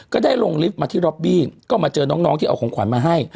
ก็ได้ลงลิฟต์มาที่ล็อบบี้ก็มาเจอน้องที่เอาของขวัญมาให้